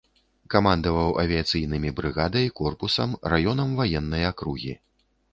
Камандаваў авіяцыйнымі брыгадай, корпусам, раёнам ваеннай акругі.